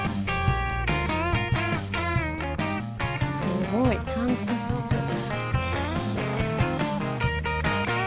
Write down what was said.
すごい。ちゃんとしてる。